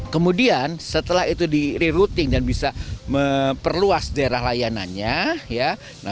kemudian setelah itu di rerouting dan bisa memperluas daerah layanannya